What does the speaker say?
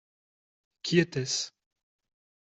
Qui était-ce ?